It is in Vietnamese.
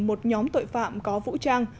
một nhóm tội phạm có vũ trang